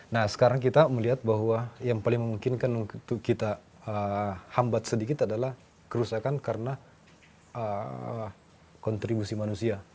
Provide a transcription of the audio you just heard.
nah sekarang kita melihat bahwa yang paling memungkinkan untuk kita hambat sedikit adalah kerusakan karena kontribusi manusia